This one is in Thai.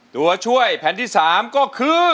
ตัวช่วยแผ่นที่๓ก็คือ